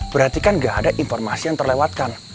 berarti kan gak ada informasi yang terlewatkan